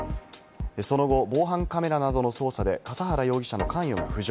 その後、防犯カメラなどの捜査で笠原容疑者の関与が浮上。